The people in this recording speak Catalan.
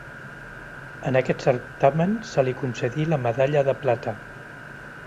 En aquest certamen se li concedí la medalla de plata.